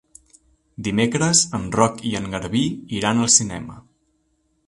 Dimecres en Roc i en Garbí iran al cinema.